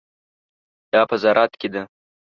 دا په زراعت کې ده.